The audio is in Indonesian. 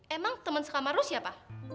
emang temen sekamar lo siapa